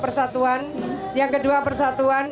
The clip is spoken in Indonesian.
persatuan yang kedua persatuan